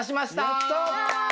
やった！